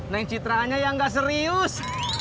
neng citra nya yang ga serius